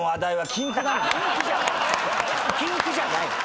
禁句じゃない。